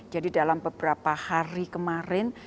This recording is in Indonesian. jadi dalam beberapa hari kemarin